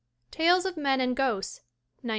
Tales of Men and Ghosts, 1910.